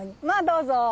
まあどうぞ。